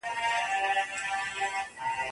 اورنګ زېب سو په ژړا ویل وېرېږم